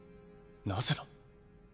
なぜだ？